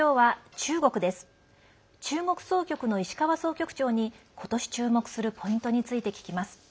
中国総局の石川総局長に今年注目するポイントについて聞きます。